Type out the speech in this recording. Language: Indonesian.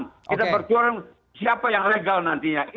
kita berjuang siapa yang legal nantinya